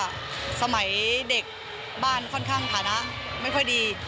ค่อนข้างมันใหญ่เด็กบ้านขนข้างผ่านะไม่ดี